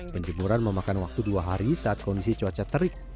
penjemuran memakan waktu dua hari saat kondisi cuaca terik